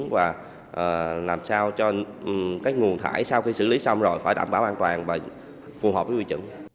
và làm sao cho cái nguồn thải sau khi xử lý xong rồi phải đảm bảo an toàn và phù hợp với quy chuẩn